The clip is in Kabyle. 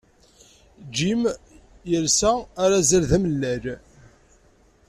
Jim yelsa arazal d amellal.